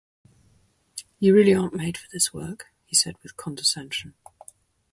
you really aren't made for this work, he said with condescension.